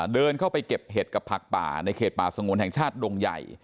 เดินเข้าไปเก็บเห็ดกับผักป่าในเขตป่าสงวนแห่งชาติดงใหญ่